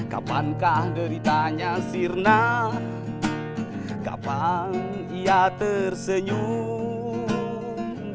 kapankah deritanya sirna kapan ia tersenyum